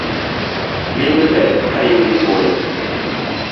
Limbe ber ka ingi thuolo